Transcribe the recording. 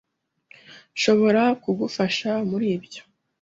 Nshobora kugufasha muri ibyo